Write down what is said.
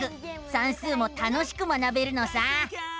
算数も楽しく学べるのさ！